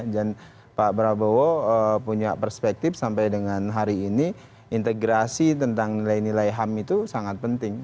dan pak prabowo punya perspektif sampai dengan hari ini integrasi tentang nilai nilai ham itu sangat penting